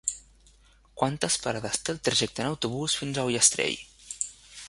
Quantes parades té el trajecte en autobús fins a Ullastrell?